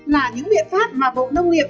là những biện pháp mà bộ nông nghiệp